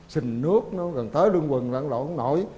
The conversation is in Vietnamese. xình nước nó gần tới lưng quần lội không nổi